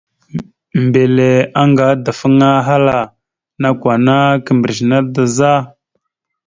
Mbile anga ideŋfaŋa, ahala: « Nakw ana kimbrec naɗ da za? ».